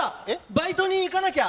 バイトに行かなきゃ！